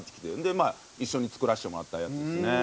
でまあ一緒に作らせてもらったやつですね。